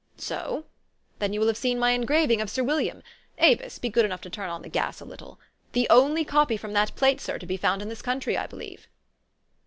So? Then you will have seen my engraving of Sir Wil liam, Avis, be good enough to turn on the gas a little, the only copy from that plate, sir, to be found in this country, I believe."